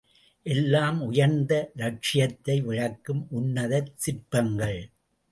எல்லாம் உயர்ந்த லக்ஷியத்தை விளக்கும் உன்னதச் சிற்பங்கள்.